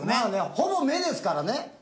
ほぼ「め」ですからね。